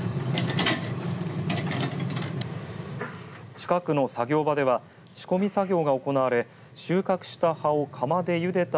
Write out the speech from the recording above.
近くの作業場では仕込み作業が行われ収穫した葉を窯でゆでた